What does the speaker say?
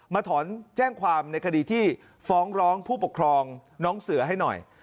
ถอนแจ้งความในคดีที่ฟ้องร้องผู้ปกครองน้องเสือให้หน่อย